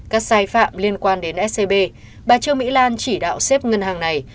các sai phạm liên quan đến scb bà trương mỹ lan chỉ đạo xếp ngân hàng này